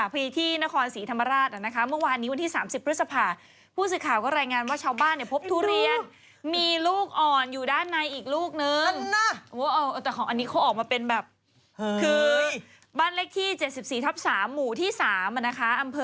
เวย์ที่นครศรีธรรมราชน์อ่ะนะคะเมื่อวานวันนี้วันที่๓๐กรุงศพ